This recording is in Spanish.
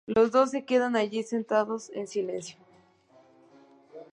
Los dos se quedan allí sentados en silencio.